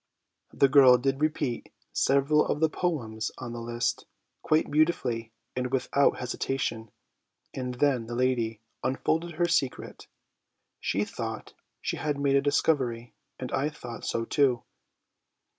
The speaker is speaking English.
The girl did repeat several of the poems on the list, quite beautifully and without hesitation; and then the lady unfolded her secret. She thought she had made a discovery, and I thought so too.